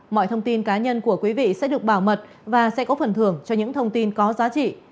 mọi thông tin cá nhân của quý vị sẽ được bảo mật và sẽ có phần thưởng cho những thông tin có giá trị